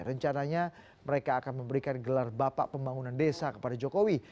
rencananya mereka akan memberikan gelar bapak pembangunan desa kepada jokowi